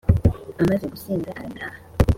amaze gusinda arataha